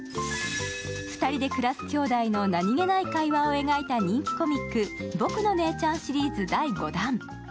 ２人で暮らすきょうだいの何気ない会話を描いた人気コミック、「僕の姉ちゃん」シリーズ第５弾。